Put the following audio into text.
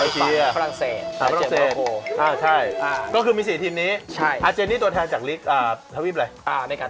๔ทีลุ้นท้ายมีใครไหมเจนพี่เจอน้องคุยกันก่อน